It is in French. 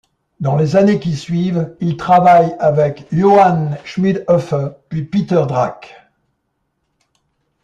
Dans les années qui suivent, il travaille avec Johann Schmiedhöfer, puis Peter Drach.